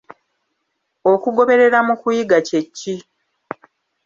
Okugoberera mu kuyiga kye ki?